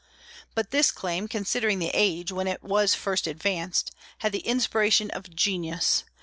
But this claim, considering the age when it was first advanced, had the inspiration of genius.